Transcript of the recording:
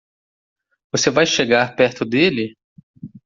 Você vai chegar perto dele?